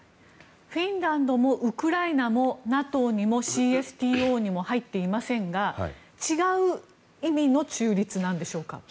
フィンランドもウクライナも、ＮＡＴＯにもＣＳＴＯにも入っていませんが違う意味の中立なんでしょうか。